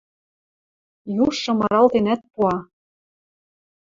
Южшы мыралтенӓт пуа: